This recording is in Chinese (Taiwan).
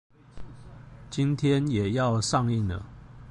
今天也要上映了